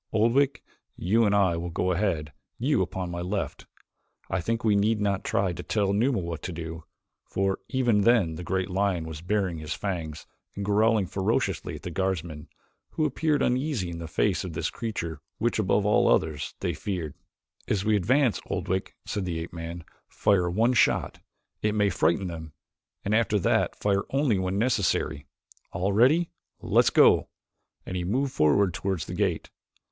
Oldwick, you and I will go ahead, you upon my left. I think we need not try to tell Numa what to do," for even then the great lion was baring his fangs and growling ferociously at the guardsmen, who appeared uneasy in the face of this creature which, above all others, they feared. "As we advance, Oldwick," said the ape man, "fire one shot. It may frighten them, and after that fire only when necessary. All ready? Let's go!" and he moved forward toward the gate.